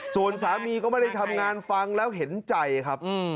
ส่วนสามีก็ไม่ได้ทำงานฟังแล้วเห็นใจครับ